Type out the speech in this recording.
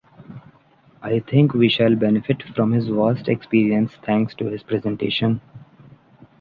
I think we shall benefit from his vast experience thanks to his presentation.